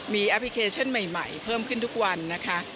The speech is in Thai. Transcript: มีแอปพลิเคชันใหม่เพิ่มขึ้นทุกวันนะคะ